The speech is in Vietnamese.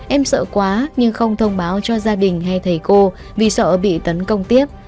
em sợ quá nhưng không thông báo cho gia đình hay thầy cô vì sợ bị tấn công tiếp